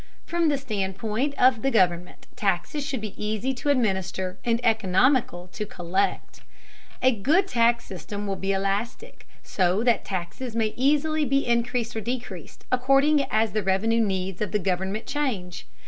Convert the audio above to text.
From the standpoint of the government, taxes should be easy to administer and economical to collect. A good tax system will be elastic, so that taxes may easily be increased or decreased, according as the revenue needs of the government change.